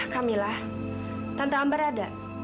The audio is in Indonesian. kamila tante ambar ada